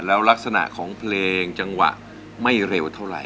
แล้วลักษณะของเพลงจังหวะไม่เร็วเท่าไหร่